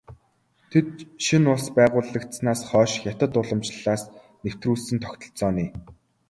Тэд шинэ улс байгуулагдсанаас хойш хятад уламжлалаас нэвтрүүлсэн тогтолцооны дагуу найман зэргээр ялгарсан.